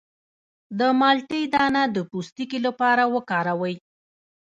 د مالټې دانه د پوستکي لپاره وکاروئ